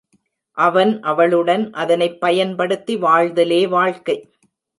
அவன் அவளுடன் அதனைப் பயன்படுத்தி வாழ்தலே வாழ்க்கை.